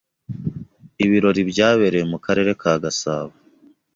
Ibirori byabereye mu karere ka Gasabo